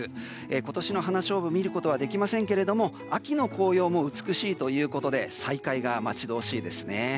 今年の花菖蒲は見ることはできませんけれども秋の紅葉も美しいということで再開が待ち遠しいですね。